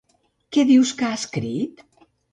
Què dius que ha escrit?